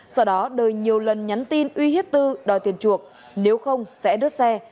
sau đó đời nhiều lần nhắn tin uy hiếp tư đòi tiền chuộc nếu không sẽ đốt xe